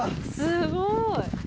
すごい！